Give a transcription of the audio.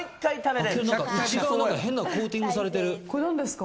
内側、変なコーティングされてる。